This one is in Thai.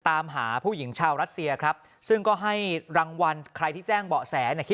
ตามหาผู้หญิงชาวรัสเซียครับซึ่งก็ให้รางวัลใครที่แจ้งเบาะแสเนี่ยคิด